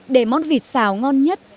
để món vịt xào ngon nhất